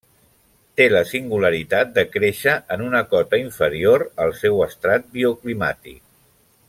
Té la singularitat de créixer en una cota inferior al seu estrat bioclimàtic.